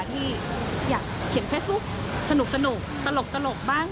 ที่อยากเขียนเฟซบุ๊กสนุกตลกบ้าง